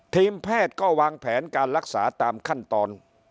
ทีมแพทย์ก็วางแผนการรักษาตามขั้นตอน